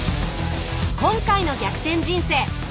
今回の「逆転人生」。